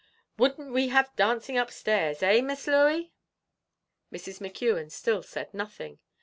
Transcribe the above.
Wouldn't we have dancing up stairs, eh, Miss Louey?" Mrs. McKeon still said nothing.